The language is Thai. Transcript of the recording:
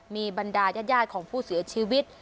มีบรรดายาดของผู้เสียชีวิต